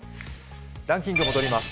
ランキングに戻ります。